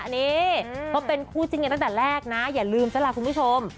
นี่เขาเป็นคู่จิ้นกันตั้งแต่แรกนะอย่าลืมซะล่ะคุณผู้ชม